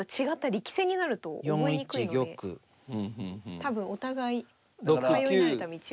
多分お互い通い慣れた道を。